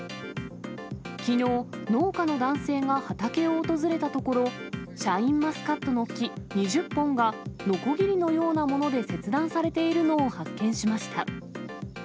きのう、農家の男性が畑を訪れたところ、シャインマスカットの木２０本が、のこぎりのようなもので切断されているのを発見しました。